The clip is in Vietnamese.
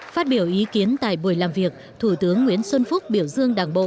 phát biểu ý kiến tại buổi làm việc thủ tướng nguyễn xuân phúc biểu dương đảng bộ